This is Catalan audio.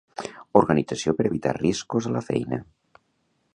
Organització per evitar riscos a la feina.